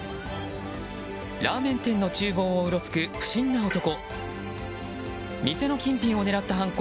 ラーメン店の厨房をうろつく不審な男。